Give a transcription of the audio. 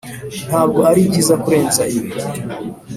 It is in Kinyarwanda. ntabwo aribyiza kurenza ibi.